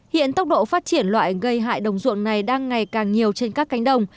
hiện tốc độ phát triển loại gây hại đồng ruộng này đang ngày càng nhiều trên các cánh đồng